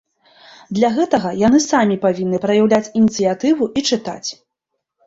Для гэтага яны самі павінны праяўляць ініцыятыву і чытаць.